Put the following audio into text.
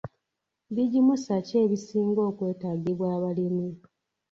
Bigimusa ki ebisinga okwetaagibwa abalimi?